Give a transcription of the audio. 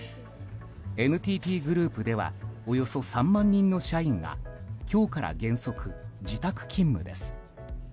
ＮＴＴグループではおよそ３万人の社員が今日から原則、自宅勤務です。